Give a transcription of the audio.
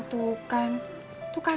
tuh kan tuh kan